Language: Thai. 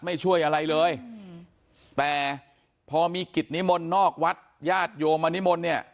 ช่วยอะไรเลยแต่พอมีกิจนิมนต์นอกวัดญาติโยมมานิมนต์เนี่ย